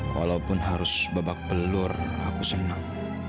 walaupun harus babak belur aku senang